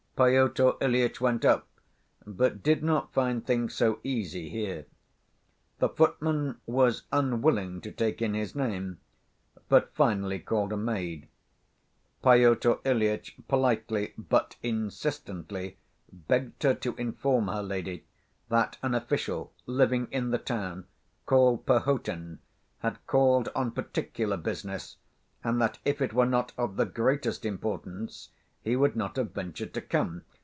Pyotr Ilyitch went up, but did not find things so easy here. The footman was unwilling to take in his name, but finally called a maid. Pyotr Ilyitch politely but insistently begged her to inform her lady that an official, living in the town, called Perhotin, had called on particular business, and that if it were not of the greatest importance he would not have ventured to come.